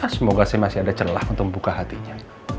semoga saya masih ada celah untuk buka hatinya